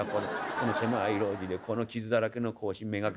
この狭い路地でこの傷だらけの格子目がけて。